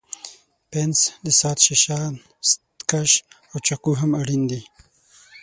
پنس، د ساعت ښيښه، ستکش او چاقو هم اړین دي.